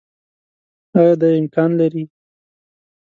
آيا دا امکان لري